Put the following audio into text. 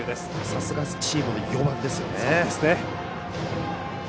さすがチームの４番ですね。